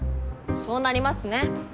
そうなりますね。